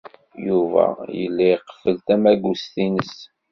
Yuba yella iqeffel tabagust-nnes.